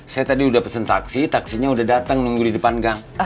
saya tadi udah pesen taksi taksinya udah datang nunggu di depan gang